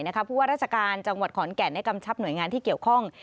เพราะว่าราชการจังหวัดขอนแก่นได้กำชับหน่วยงานที่เกี่ยวข้อง